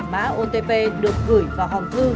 má otp được gửi vào hòng thư